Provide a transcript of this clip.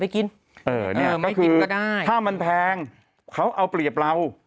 ไม่กินก็ได้ก็คือถ้ามันแพงเขาเอาเปรียบเรา